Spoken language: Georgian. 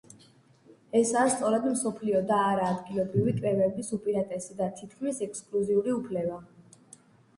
ესაა სწორედ მსოფლიო და არა ადგილობრივი კრებების უპირატესი და თითქმის ექსკლუზიური უფლება.